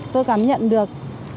tôi cảm nhận được